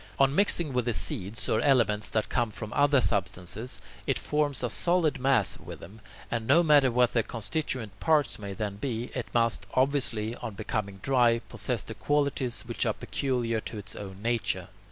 On mixing with the seeds or elements that come from other substances, it forms a solid mass with them and, no matter what the constituent parts may then be, it must, obviously, on becoming dry, possess the qualities which are peculiar to its own nature.